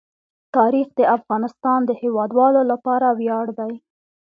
تاریخ د افغانستان د هیوادوالو لپاره ویاړ دی.